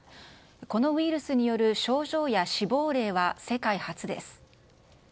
このウイルスによる症状や死亡例は世界初です。